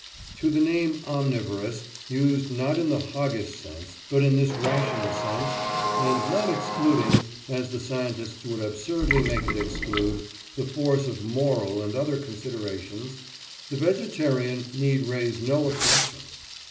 To the name "omnivorous," used not in the hoggish sense, but in this rational sense, and not excluding, as the scientists would absurdly make it exclude, the force of moral and other considerations, the vegetarian need raise no objection.